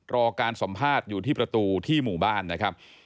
รอการสัมภาษณ์อยู่ที่ประตูที่หมู่บ้านนะครับ